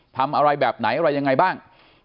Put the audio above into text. ทำอะไรแบบไหนอะไรยังไงบ้าง